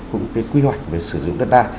cũng như cái quy hoạch về sử dụng đất đai